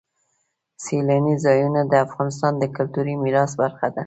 سیلاني ځایونه د افغانستان د کلتوري میراث برخه ده.